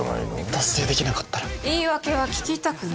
達成できなかったら言い訳は聞きたくない